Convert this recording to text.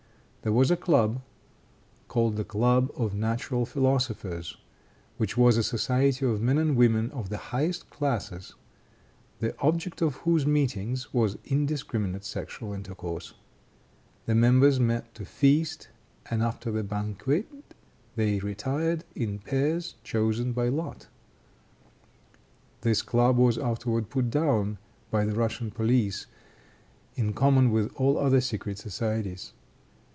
There was a club, called the club of natural philosophers, which was a society of men and women of the highest classes, the object of whose meetings was indiscriminate sexual intercourse. The members met to feast, and after the banquet they retired in pairs chosen by lot. This club was afterward put down by the Russian police, in common with all other secret societies.